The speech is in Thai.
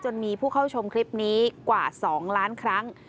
มีผู้เข้าชมคลิปนี้กว่า๒ล้านครั้ง